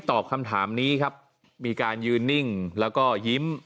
ตอบคำถามนี้ครับมีการยืนนิ่งแล้วก็ยิ้ม